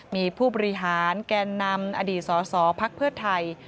มีผู้บริหารแกนนำอดีตสสพักเพื่อไทย